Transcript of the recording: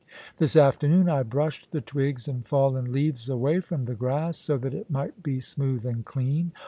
This afternoon I brushed the twigs and fallen leaves away from the grass, so that it might be smooth and clean.